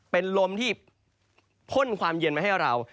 เป็นลมที่พ่นความเย็นมาให้เรา